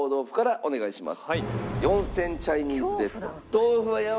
お願いします。